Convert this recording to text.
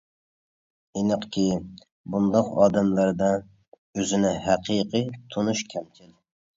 ئېنىقكى، بۇنداق ئادەملەردە ئۆزىنى ھەقىقىي تونۇش كەمچىل.